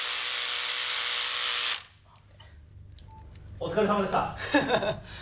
お疲れさまでした。